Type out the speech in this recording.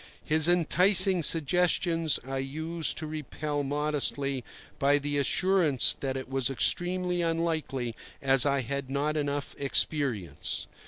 His enticing suggestions I used to repel modestly by the assurance that it was extremely unlikely, as I had not enough experience.